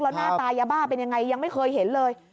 แล้วหน้าตายาบ้าเป็นยังไงยังไม่เคยเห็นเลย